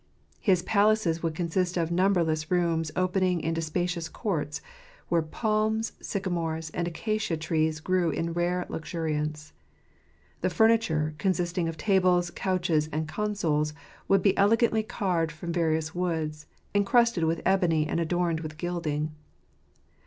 His palaces would consist of numberless rooms opening into spacious courts, where palms, sycamores, and acacia trees grew in rare luxuriance. The furniture, consisting of tables, couches, and consoles, would be elegantly carved from various woods, encrusted with ebony and adorned with gilding.